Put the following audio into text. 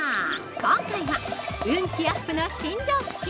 今回は、運気アップの新常識！